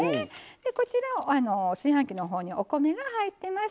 こちら、炊飯器のほうにお米が入っています。